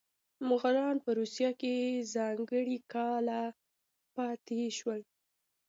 مغولان په روسیه کې ځانګړي کاله پاتې شول.